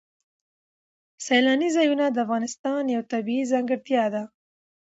سیلانی ځایونه د افغانستان یوه طبیعي ځانګړتیا ده.